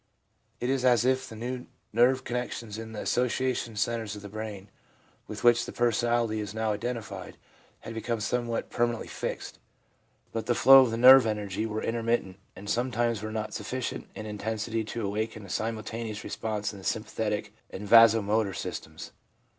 It is as if the new nerve connections in the association centres of the brain, with which the personality is now identified, had become somewhat permanently fixed ; but the flow of nerve energy were intermittent, and sometimes were not sufficient in intensity to awaken a simultaneous response in the sympathetic and vaso motor systems.